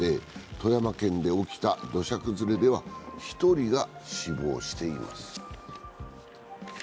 富山県で起きた土砂崩れでは１人が死亡しています。